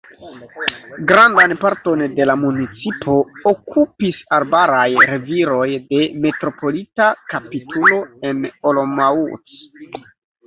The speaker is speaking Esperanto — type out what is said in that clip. Grandan parton de la municipo okupis arbaraj reviroj de Metropolita kapitulo en Olomouc.